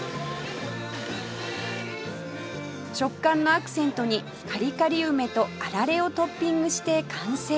食感のアクセントにカリカリ梅とあられをトッピングして完成